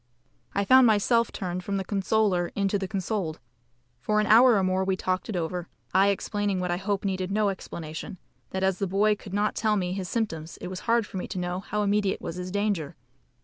I found myself turned from the consoler into the consoled. For an hour or more we talked it over, I explaining what I hope needed no explanation, that as the poor boy could not tell me his symptoms it was hard for me to know how immediate was his danger.